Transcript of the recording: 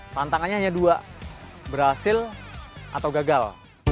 tantangannya hanya dua berhasil atau gagal